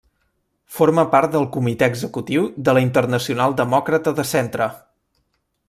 Forma part del Comitè Executiu de la Internacional Demòcrata de Centre.